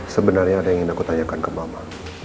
sebenarnya ada yang ingin aku tanyakan ke mama